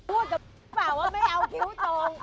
เอ๊ะพูดกับไอ้ผัวว่าไม่เอาคิวตรง